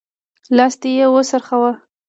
لاستی يې وڅرخوه.